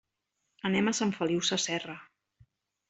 Anem a Sant Feliu Sasserra.